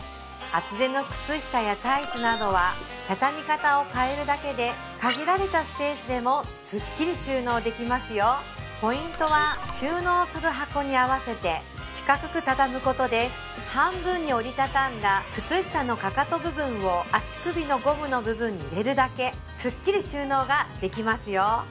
厚手の靴下やタイツなどは畳み方を変えるだけで限られたスペースでもすっきり収納できますよ半分に折りたたんだ靴下のかかと部分を足首のゴムの部分に入れるだけすっきり収納ができますよ